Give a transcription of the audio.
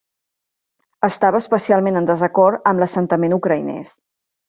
Estava especialment en desacord amb l'assentament ucraïnès.